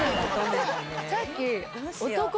さっき。